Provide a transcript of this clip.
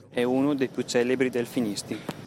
È uno dei più celebri delfinisti.